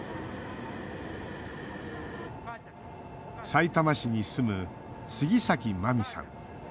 さいたま市に住む杉崎真見さん。